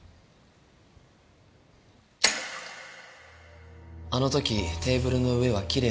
あの時テーブルの上はきれいなままだった。